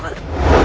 indah sih asli